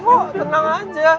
oh tenang aja